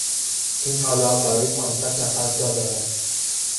این تالار برای پانصد نفر جا دارد.